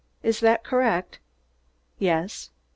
Is that correct?" "Yes."